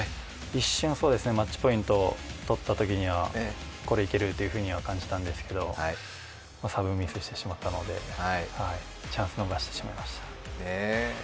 一瞬、そうですね、マッチポイントを取ったときにはこれ、いけるというふうには感じたんですけれども、サーブミスしてしまったのでチャンスを逃してしまいました。